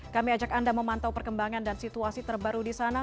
kami ajak anda memantau perkembangan dan situasi terbaru di sana